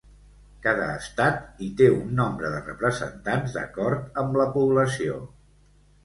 Cada estat hi té un nombre de representants d’acord amb la població.